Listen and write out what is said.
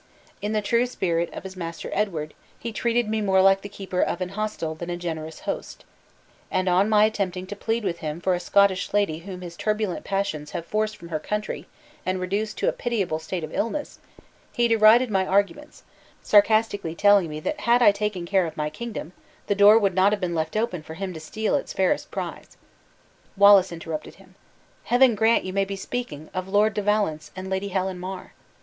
In the true spirit of his master Edward he treated me more like the keeper of an hostel than a generous host. And on my attempting to plead with him for a Scottish lady whom his turbulent passions have forced from her country and reduced to a pitiable state of illness, he derided my arguments, sarcastically telling me that had I taken care of my kingdom, the door would not have been left open for him to steal its fairest prize " Wallace interrupted him: "Heaven grant you may be speaking of Lord de Valence and Lady Helen Mar."